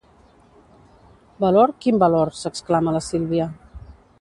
Valor, quin valor? —s'exclama la Sílvia—.